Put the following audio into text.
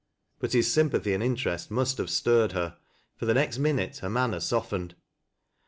But his sympathy and interest must have stirred her, for the next minute her manner softened.